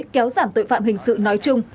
kéo giảm tội phạm hình sự nói chung